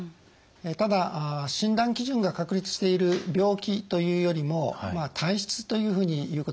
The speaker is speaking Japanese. ただ診断基準が確立している病気というよりも体質というふうに言うことができます。